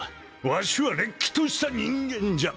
わしはれっきとした人間じゃ！